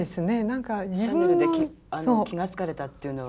シャネルで気が付かれたっていうのは。